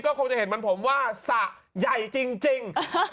ก็คงจะเห็นภาพผมว่าสะใหญ่จริง